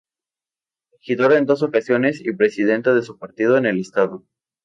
Regidor en dos ocasiones y Presidenta de su partido en el estado.